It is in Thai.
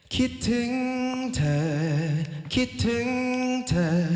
คิดถึงเธอคิดถึงเธอ